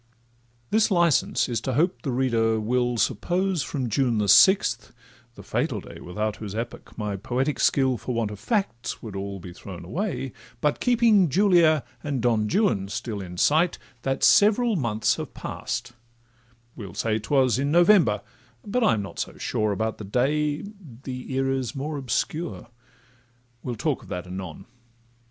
This licence is to hope the reader will Suppose from June the sixth (the fatal day, Without whose epoch my poetic skill For want of facts would all be thrown away), But keeping Julia and Don Juan still In sight, that several months have pass'd; we'll say 'Twas in November, but I'm not so sure About the day—the era 's more obscure. We'll talk of that anon.